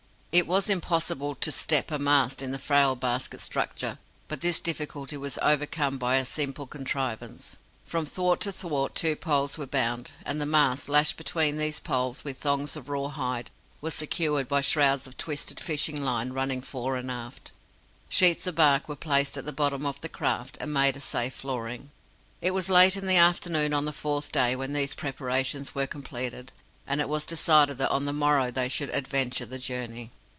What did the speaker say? It was impossible to "step" a mast in the frail basket structure, but this difficulty was overcome by a simple contrivance. From thwart to thwart two poles were bound, and the mast, lashed between these poles with thongs of raw hide, was secured by shrouds of twisted fishing line running fore and aft. Sheets of bark were placed at the bottom of the craft, and made a safe flooring. It was late in the afternoon on the fourth day when these preparations were completed, and it was decided that on the morrow they should adventure the journey.